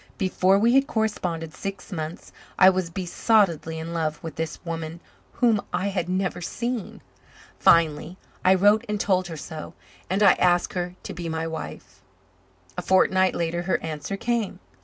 Before we had corresponded six months I was besottedly in love with this woman whom I had never seen. Finally, I wrote and told her so, and I asked her to be my wife. A fortnight later her answer came.